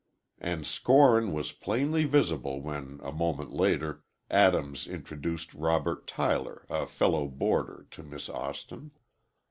And scorn was plainly visible when, a moment later, Adams introduced Robert Tyler, a fellow boarder, to Miss Austin.